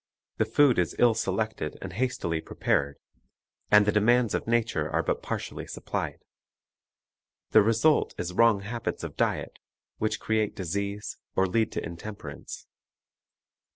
The food is ill selected and hastily prepared, and the demands of nature are but partially supplied. The result is wrong habits of diet, which create disease or lead to intemperance.